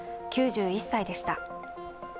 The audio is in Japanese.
９１歳でした。